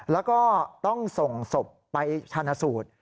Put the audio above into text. แล้วก็ต้องส่งศพไปชนะสูตร